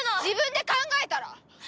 自分で考えたら？